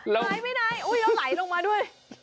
ไหลไม่ได้แล้วไหลลงมาด้วย